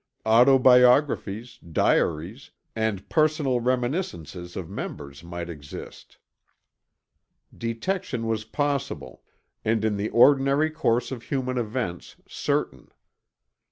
Autobiographies, diaries and personal reminiscences of members might exist. Detection was possible, and in the ordinary course of human events, certain.